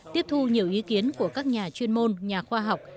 tiếp thu nhiều ý kiến của các nhà chuyên môn nhà khoa học